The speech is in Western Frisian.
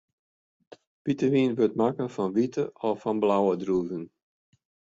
Wite wyn wurdt makke fan wite of fan blauwe druven.